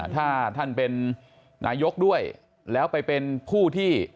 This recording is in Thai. ถ้าท่านเป็นนายกด้วยแล้วไปเป็นผู้ที่